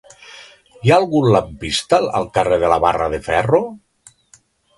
Hi ha algun lampista al carrer de la Barra de Ferro?